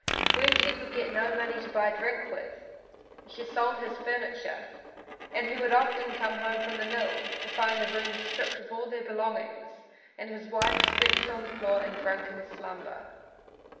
When she could get no money to buy drink with, she sold his furniture, and often he would come home from the mill to find the rooms stripped of all their belongings and his wife stretched on the floor in drunken slumber.